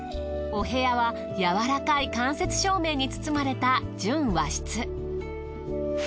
お部屋はやわらかい間接照明に包まれた純和室。